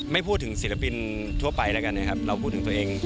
ไม่พูดถึงศิลปินทั่วไปแล้วกันนะครับเราพูดถึงตัวเอง